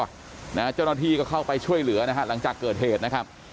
เจ้าหน้าที่ก็เข้าไปช่วยเหลือนะฮะหลังจากเกิดเหตุนะครับ